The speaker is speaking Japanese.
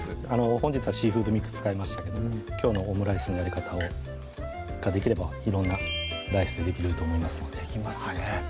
本日はシーフードミックス使いましたけどもきょうのオムライスのやり方ができれば色んなライスでできると思いますのでできますね